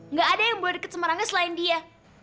nggak ada yang boleh deket sama rangga selain dia